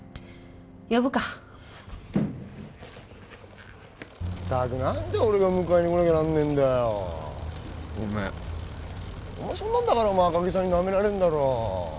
呼ぶか何で俺が迎えに来なきゃなんねえんだよごめんそんなんだから赤城さんにナメられるんだろ